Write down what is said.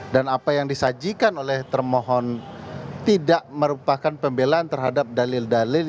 dan apa yang disajikan oleh termohon tidak merupakan pembelaan terhadap dalil dalil